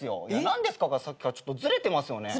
何ですかさっきからちょっとずれてますよね。